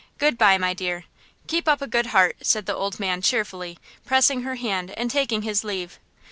Good by, my dear; keep up a good deart!" said the old man cheerfully, pressing her hand and taking his leave.